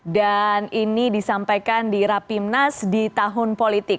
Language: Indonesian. ini disampaikan di rapimnas di tahun politik